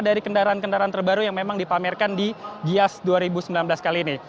dari kendaraan kendaraan terbaru yang memang dipamerkan di gias dua ribu sembilan belas kali ini